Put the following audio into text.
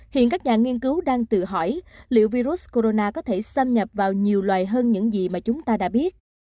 hiện các nhà nghiên cứu đang tự hỏi liệu virus corona có thể xâm nhập vào nhiều loài hơn những diễn viên